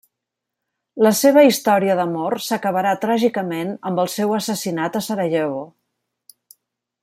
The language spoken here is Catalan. La seva història d'amor s'acabarà tràgicament amb el seu assassinat a Sarajevo.